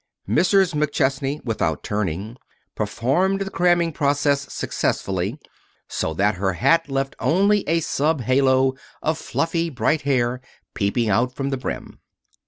Mrs. McChesney, without turning, performed the cramming process successfully, so that her hat left only a sub halo of fluffy bright hair peeping out from the brim.